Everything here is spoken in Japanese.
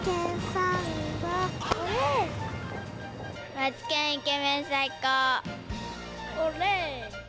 マツケン、イケメン、最高。